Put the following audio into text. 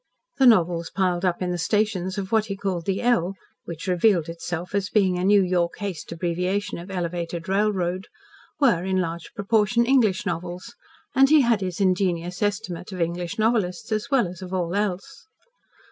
The novels piled up in the stations of what he called "the L" (which revealed itself as being a New York haste abbreviation of Elevated railroad), were in large proportion English novels, and he had his ingenuous estimate of English novelists, as well as of all else.